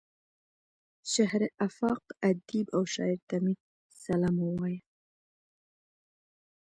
شهره آفاق ادیب او شاعر ته مې سلام ووايه.